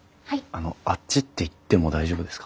あのあっちって行っても大丈夫ですか？